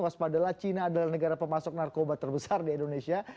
waspadalah cina adalah negara pemasok narkoba terbesar di indonesia